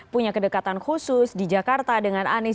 punya kedekatan khusus di jakarta dengan anies